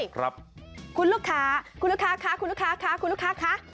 คุณลูกค้าคุณลูกค้าคุณลูกค้าคุณลูกค้าคุณลูกค้า